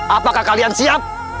apakah kalian siap